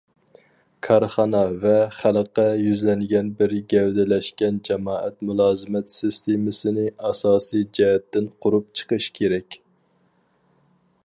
كارخانا ۋە خەلققە يۈزلەنگەن بىر گەۋدىلەشكەن جامائەت مۇلازىمەت سىستېمىسىنى ئاساسىي جەھەتتىن قۇرۇپ چىقىش كېرەك.